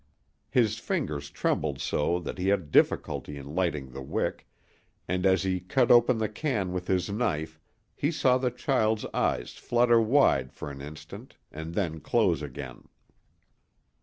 His fingers trembled so that he had difficulty in lighting the wick, and as he cut open the can with his knife he saw the child's eyes flutter wide for an instant and then close again.